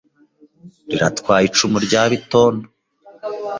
Riratwaye icumu rya Bitondo